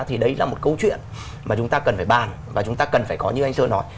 thì đấy là một câu chuyện mà chúng ta cần phải bàn và chúng ta cần phải có như anh sơn nói